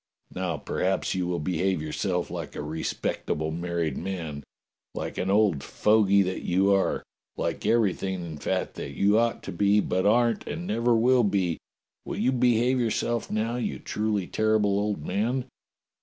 "Now perhaps you will behave yourself like a re spectable married man, like an old fogey that you are, like everything in fact that you ought to be, but aren't WATCHBELL STREET ^55 and never will be ! Will you behave yourseK now, you truly terrible old man?